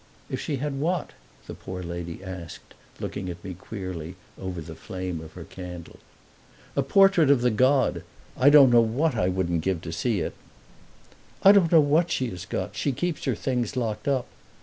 "If she had what?" the poor lady asked, looking at me queerly over the flame of her candle. "A portrait of the god. I don't know what I wouldn't give to see it." "I don't know what she has got. She keeps her things locked up."